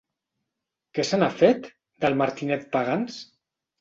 Què se n'ha fet, del Martinet Pagans?